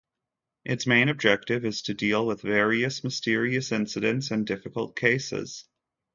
Its main objective is to deal with various mysterious incidents and difficult cases.